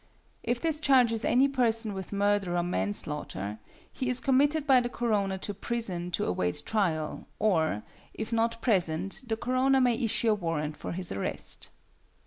If this charges any person with murder or manslaughter, he is committed by the coroner to prison to await trial, or, if not present, the coroner may issue a warrant for his arrest.